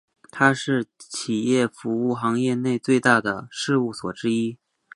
它是企业服务行业内最大的事务所之一。